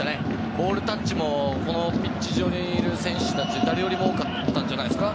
ボールタッチもこのピッチ上にいる選手たちの誰よりも多かったんじゃないですか。